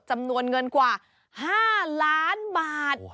จำนวนเงินกว่า๕ล้านบาท